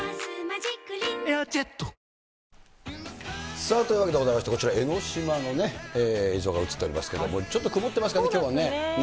さあ、というわけでございまして、こちら、江の島のね、映像が映っておりますけれども、ちょっと曇ってますかね、きょうはね。